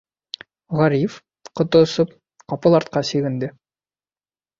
Ғариф, ҡото осоп, ҡапыл артҡа сигенде.